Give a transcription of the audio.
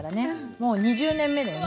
もう２０年目だよね。